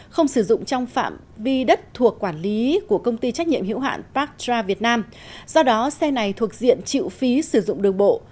không sử dụng trong phạm vi đất thuộc quản lý của công ty trách nhiệm hữu hạn parkra việt nam do đó xe này thuộc diện chịu phí sử dụng đường bộ